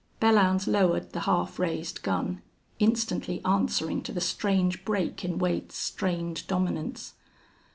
Belllounds lowered the half raised gun, instantly answering to the strange break in Wade's strained dominance.